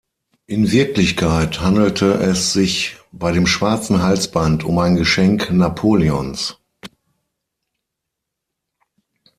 In Wirklichkeit handelte es sich bei dem schwarzen Halsband um ein Geschenk Napoleons.